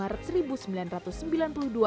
untuk konsumen loyal nature cakes